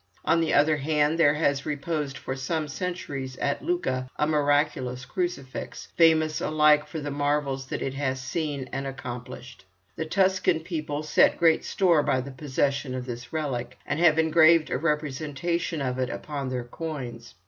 On the other hand, there has reposed for some centuries at Lucca a miraculous crucifix, famous alike for the marvels it has seen and accomplished. The Tuscan people set great store by the possession of this relic, and have engraved a representation of it upon their coins.